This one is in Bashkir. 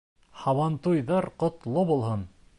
Һабантуйҙар ҡотло булһын!